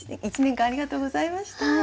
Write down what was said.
１年間ありがとうございました。